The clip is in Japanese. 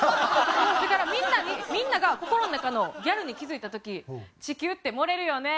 だからみんなにみんなが心の中のギャルに気付いた時地球って盛れるよね。